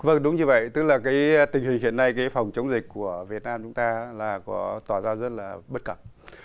vâng đúng như vậy tình hình hiện nay phòng chống dịch của việt nam của chúng ta tỏ ra rất bất cập